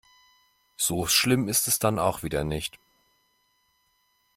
So schlimm ist es dann auch wieder nicht.